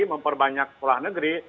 memperbanyak sekolah negeri